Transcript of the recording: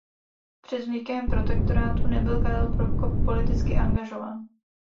Před vznikem protektorátu nebyl Karel Prokop politicky angažován.